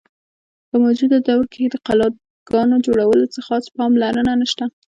په موجوده دور کښې د قلاګانو جوړولو څۀ خاص پام لرنه نشته۔